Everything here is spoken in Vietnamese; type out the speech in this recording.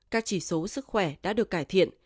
các chỉ số sức khỏe đã được cải thiện